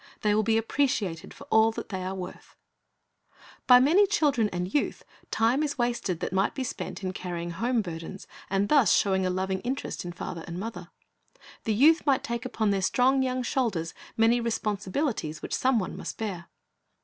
They will be appreciated for all that they are worth, Talents 345 By many children and youth, time is wasted tliat might be spent in carrying home burdens, and thus showing a loving interest in father and mother. The youth might take upon their strong young shoulders many responsibilities which some one must bear.